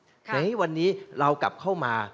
นายให้วันนี้เรากลับเข้ามา